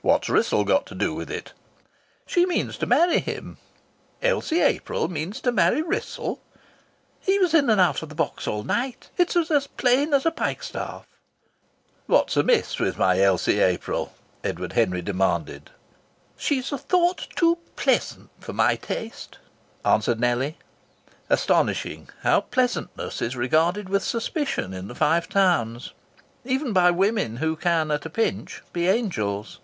"What's Wrissell got to do with it?" "She means to marry him." "Elsie April means to marry Wrissell?" "He was in and out of the box all night. It was as plain as a pikestaff." "What's amiss with my Elsie April?" Edward Henry demanded. "She's a thought too pleasant for my taste," answered Nellie. Astonishing, how pleasantness is regarded with suspicion in the Five Towns, even by women who can at a pinch be angels!